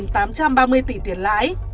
hai trăm bảy mươi bảy tám trăm ba mươi tỷ tiền lãi